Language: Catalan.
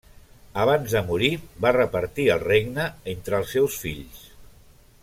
Abans de morir va repartir el regne entre els seus fills.